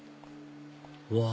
うわ